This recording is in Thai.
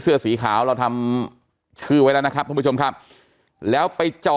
เสื้อสีขาวเราทำชื่อไว้แล้วนะครับท่านผู้ชมครับแล้วไปจ่อ